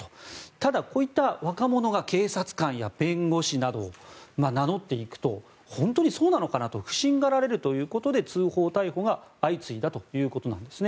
ただ、こういった若者が警察官や弁護士などを名乗っていくと本当にそうなのかなと不審がられるということで通報・逮捕が相次いだということです。